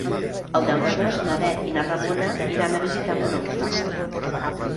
El deu d'agost na Bet i na Ramona iran a visitar mon oncle.